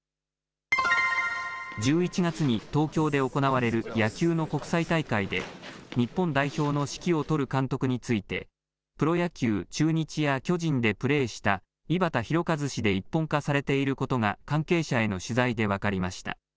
１１月に東京で行われる野球の国際大会で日本代表の指揮を執る監督についてプロ野球・中日や巨人でプレーした井端弘和氏で一本化されていることが関係者への取材で分かりました。